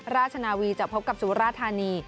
ราชนาวีจะพบกับสุราธานี